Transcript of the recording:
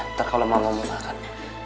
ntar kalau mamamu makan